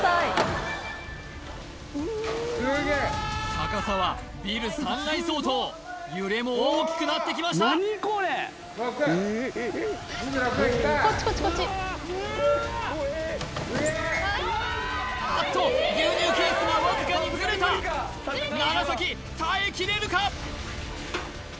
高さはビル３階相当揺れも大きくなってきました・６２６がきたこっちこっちこっちあっと牛乳ケースがわずかにずれた楢耐えきれるか？